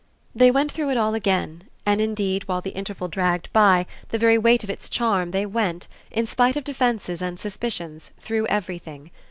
They went through it all again, and indeed while the interval dragged by the very weight of its charm they went, in spite of defences and suspicions, through everything.